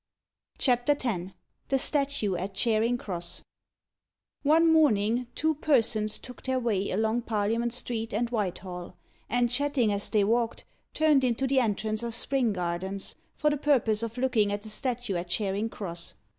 ] CHAPTER X THE STATUE AT CHARING CROSS One morning, two persons took their way along Parliament Street and Whitehall, and, chatting as they walked, turned into the entrance of Spring Gardens, for the purpose of looking at the statue at Charing Cross.